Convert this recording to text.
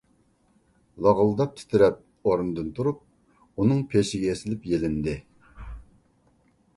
لاغىلداپ تىترەپ، ئورنىدىن تۇرۇپ ئۇنىڭ پېشىگە ئېسىلىپ يېلىندى.